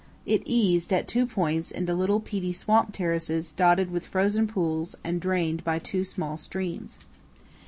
It eased at two points into little peaty swamp terraces dotted with frozen pools and drained by two small streams.